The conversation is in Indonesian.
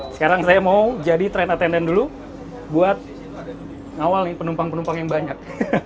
sekarang saya mau jadi tren attendant dulu buat ngawal penumpang penumpang yang banyak